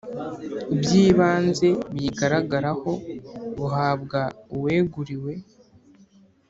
By ibanze biyigaragaraho buhabwa uweguriwe